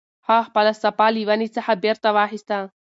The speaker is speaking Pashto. هغه خپله صافه له ونې څخه بېرته واخیسته.